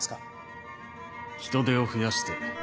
人手を増やして。